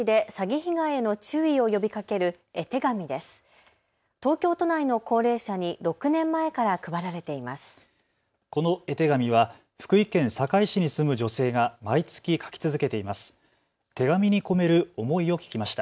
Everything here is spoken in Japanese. この絵手紙は福井県坂井市に住む女性が毎月、書き続けています。